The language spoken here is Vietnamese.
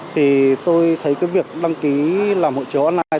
thì tôi thấy cái việc đăng ký làm hộ chiếu online